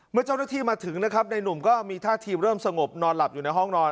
เมื่อเจ้าหน้าที่มาถึงนะครับในหนุ่มก็มีท่าทีเริ่มสงบนอนหลับอยู่ในห้องนอน